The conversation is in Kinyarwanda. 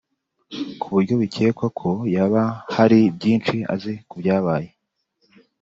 ku buryo bikekwa ko yaba hari byinshi azi ku byabaye